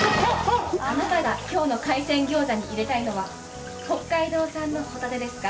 あなたが今日の海鮮餃子に入れたいのは北海道産のホタテですか？